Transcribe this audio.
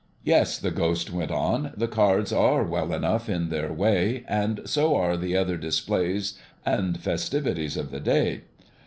"Yes," the Ghost went on, "the cards are well enough in their way, and so are the other displays and festivities of the day.